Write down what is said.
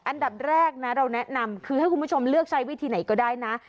อันดับแรกนะเราแนะนำคือให้คุณผู้ชมเลือกใช้วิธีไหนก็ได้นะ